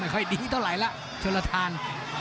ค่อยดีเท่าไหร่แล้วชนละทาน